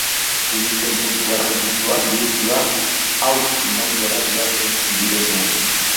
Turisten puntu garrantzitsua bihurtu da hau Finlandiara joaten direnean.